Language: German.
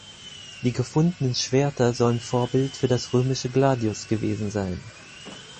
Die gefundenen Schwerter sollen Vorbild für das römische Gladius gewesen sein.